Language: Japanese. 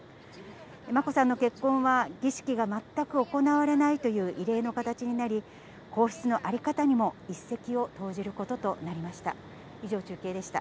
眞子さんの結婚は、儀式が全く行われないという異例の形になり、皇室の在り方にも一石を投じることとなりました。